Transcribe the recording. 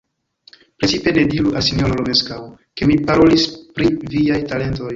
Precipe ne diru al sinjoro Romeskaŭ, ke mi parolis pri viaj talentoj.